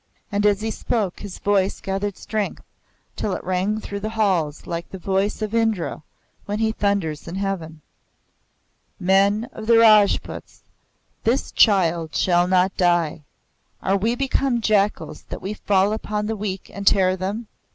And as he spoke his voice gathered strength till it rang through the hall like the voice of Indra when he thunders in the heavens. "Men of the Rajputs, this child shall not die. Are we become jackals that we fall upon the weak and tear them?